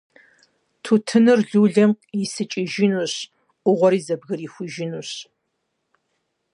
Тутыныр лулэм исыкӀыжынущ, Ӏугъуэри зэбгрихужынущ.